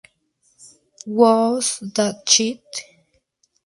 Who's That Chick?